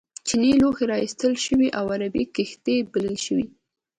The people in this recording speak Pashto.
چینی لوښي را ایستل شوي او عربي کښتۍ بلل شوي.